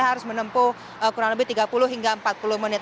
harus menempuh kurang lebih tiga puluh hingga empat puluh menit